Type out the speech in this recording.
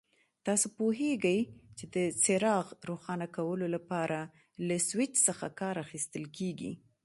تاسو پوهیږئ چې د څراغ روښانه کولو لپاره له سوېچ څخه کار اخیستل کېږي.